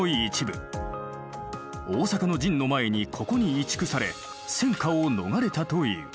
大坂の陣の前にここに移築され戦火を逃れたという。